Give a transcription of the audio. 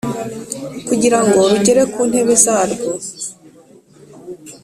kugirango rugere ku ntego zarwo